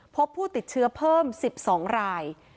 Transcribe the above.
พบผู้ติดเชื้อเพิ่ม๑๒ราย